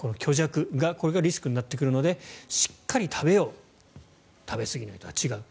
これがリスクになってくるのでしっかり食べよう食べすぎとは違う。